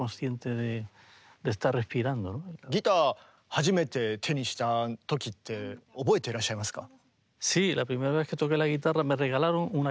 初めて手にした時って覚えてらっしゃいますか？